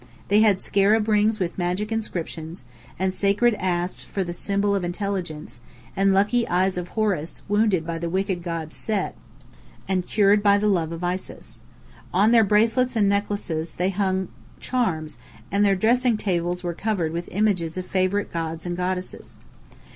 They had scarab rings with magic inscriptions, and sacred apes for the symbol of Intelligence, and lucky eyes of Horus, wounded by the wicked god Set, and cured by the love of Isis. On their bracelets and necklaces they hung charms, and their dressing tables were covered with images of favourite gods and goddesses.